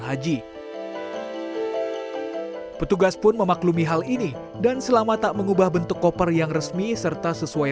haji petugas pun memaklumi hal ini dan selama tak mengubah bentuk koper yang resmi serta sesuai